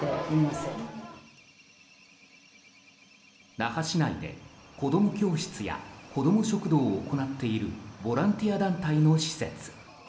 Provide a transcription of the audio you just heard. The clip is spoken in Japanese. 那覇市内で、子ども教室や子ども食堂を行っているボランティア団体の施設。